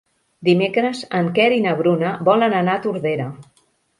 Dimecres en Quer i na Bruna volen anar a Tordera.